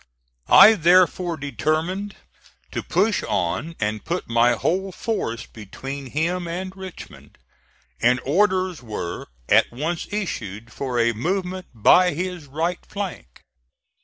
I therefore determined to push on and put my whole force between him and Richmond; and orders were at once issued for a movement by his right flank.